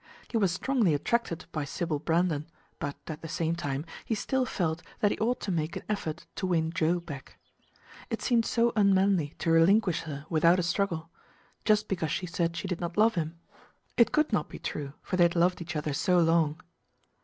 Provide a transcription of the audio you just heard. Ho was strongly attracted by Sybil Brandon, but, at the same time, he still felt that he ought to make an effort to win Joe back. It seemed so unmanly to relinquish her without a struggle, just because she said she did not love him. It could not be true, for they had loved each other so long.